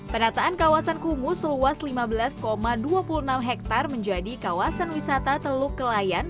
penataan kawasan kumuh seluas lima belas dua puluh enam hektare menjadi kawasan wisata teluk kelayan